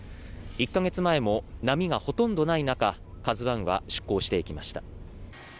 １か月前も波がほとんどない中「ＫＡＺＵ１」は出港していきました。